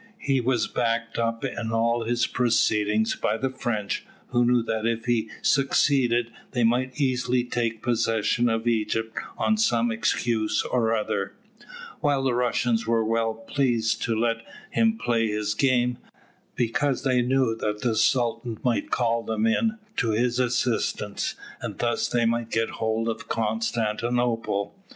He was backed up in all his proceedings by the French, who knew that if he succeeded they might easily take possession of Egypt on some excuse or other; while the Russians were well pleased to let him play his game, because they knew that the Sultan might call them in to his assistance, and thus they might get hold of Constantinople.